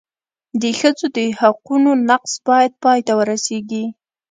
د ښځو د حقونو نقض باید پای ته ورسېږي.